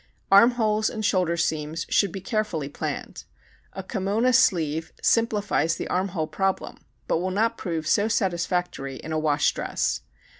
Arm holes and shoulder seams should be carefully planned. A kimona sleeve simplifies the arm hole problem but will not prove so satisfactory in a wash dress.